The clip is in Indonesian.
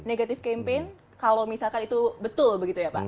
negatif campaign kalau misalkan itu betul begitu ya pak